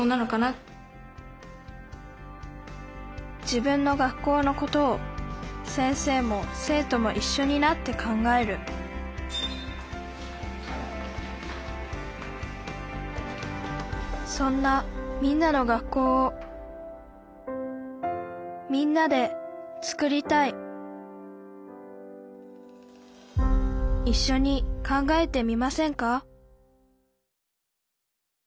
自分の学校のことを先生も生徒もいっしょになって考えるそんなみんなの学校をみんなで作りたいいっしょに考えてみませんか？